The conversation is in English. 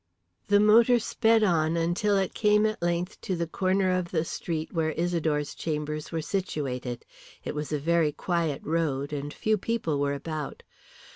The motor sped on until it came at length to the corner of the street where Isidore's chambers were situated. It was a very quiet road, and few people were about.